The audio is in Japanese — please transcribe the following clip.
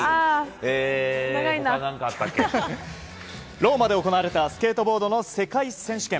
ローマで行われたスケートボードの世界選手権。